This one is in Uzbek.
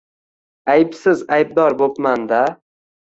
-Aybsiz aybdor bo’pmanda.